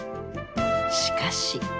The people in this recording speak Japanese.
しかし。